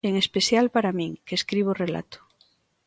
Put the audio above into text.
En especial para min, que escribo relato.